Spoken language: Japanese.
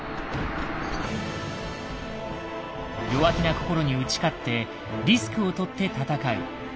弱気な心に打ち勝ってリスクをとって戦う。